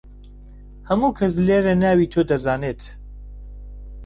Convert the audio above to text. هەموو کەس لێرە ناوی تۆ دەزانێت.